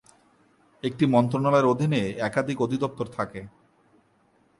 একটি মন্ত্রণালয়ের অধীনে একাধিক অধিদপ্তর থাকে।